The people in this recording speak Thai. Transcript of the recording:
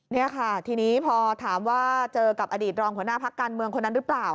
นี่ค่ะทีนี้พอถามว่าเจอกับอดีตรองหัวหน้าพักการเมืองคนนั้นหรือเปล่า